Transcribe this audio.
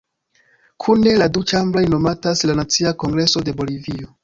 Kune la du ĉambroj nomatas la "Nacia Kongreso de Bolivio".